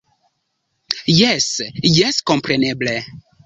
- Jes, jes kompreneble